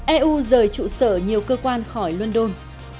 eu rời trụ sở nhiều cơ quan khỏi london